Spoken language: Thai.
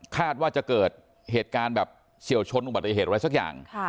คาดว่าจะเกิดเหตุการณ์แบบเฉียวชนอุบัติเหตุไว้สักอย่าง